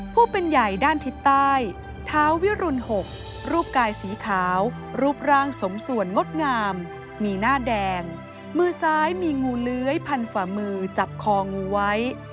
ผู้เป็นใหญ่ด้านทิศใต้เท้าวิรุณ๖รูปกายสีขาวรูปร่างสมส่วนงดงามมีหน้าแดงมือซ้ายมีงูเลื้อยพันฝ่ามือจับคองูไว้